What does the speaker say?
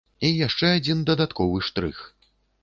І яшчэ адзін дадатковы штрых.